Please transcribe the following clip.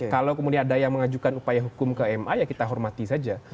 kalau kemudian ada yang mengajukan upaya hukum ke ma ya kita hormati saja